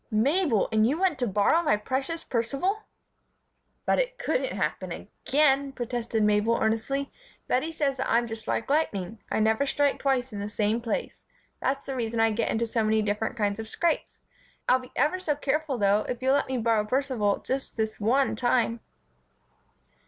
"Mabel! And you want to borrow my precious Percival!" "But it couldn't happen again," protested Mabel, earnestly. "Bettie says that I'm just like lightning; I never strike twice in the same place. That's the reason I get into so many different kinds of scrapes. I'll be ever so careful, though, if you'll let me borrow Percival just this one time."